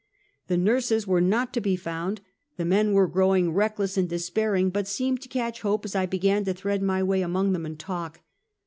The nurses were not to be found; the men were growing reckless and despairing, but seemed to catch hope as I began to thread my way among them and talk.